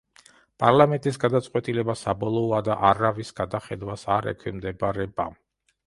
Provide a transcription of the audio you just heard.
პარლამენტის გადაწყვეტილება საბოლოოა და არავის გადახედვას არ ექვემდებარება.